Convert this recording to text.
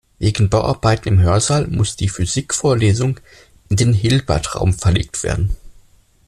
Wegen Bauarbeiten im Hörsaal muss die Physikvorlesung in den Hilbertraum verlegt werden.